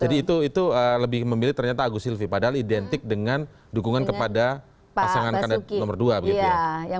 jadi itu lebih memilih ternyata agus silvi padahal identik dengan dukungan kepada pasangan nomor dua begitu ya